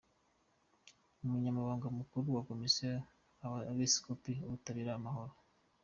Umunyamabanga Mukuru wa Komisiyo y’Abepiskopi y’Ubutabera n’Amahoro,